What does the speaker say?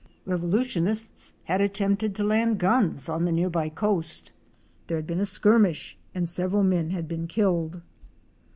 Revolutionists had attempted to land guns on the near by coast. There had been a skirmish and several men had been killed.